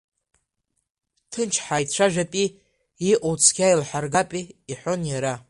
Ҭынч ҳааицәажәапи, иҟоу цқьа еилҳаргапи, – иҳәон иара.